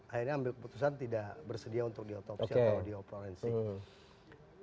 akhirnya ambil keputusan tidak bersedia untuk di otopsi atau di forensik